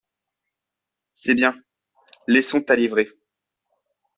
C’est bien, laissons ta livrée…